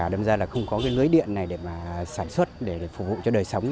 đâm ra là không có cái lưới điện này để mà sản xuất để phục vụ cho đời sống